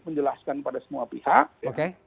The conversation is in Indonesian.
menjelaskan pada semua pihak